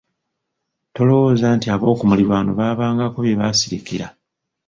Tolowooza nti ab'Okumiliraano baabangako byebasirikira